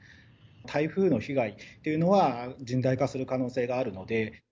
台風の被害というのは、甚大化する可能性があるので。